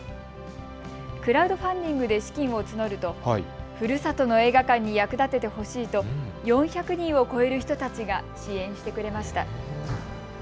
クラウドファンディングで資金を募るとふるさとの映画館に役立ててほしいと４００人を超える人たちが支援してくれました。